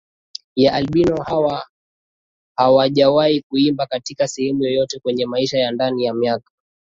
ya Albino hao hawajawahi kuimba katika sehemu yoyote kwenye Maisha yao Ndani ya miaka